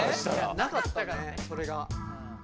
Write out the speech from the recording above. なかったからねそれが。